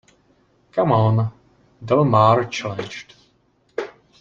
Come on, Del Mar challenged.